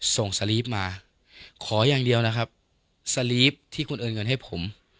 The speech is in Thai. สลีฟมาขออย่างเดียวนะครับสลีฟที่คุณโอนเงินให้ผม